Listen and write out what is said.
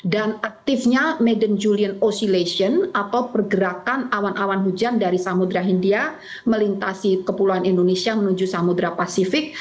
dan aktifnya medan julian oscillation atau pergerakan awan awan hujan dari samudera india melintasi kepulauan indonesia menuju samudera pasifik